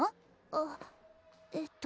あっえっと